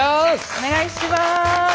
お願いします！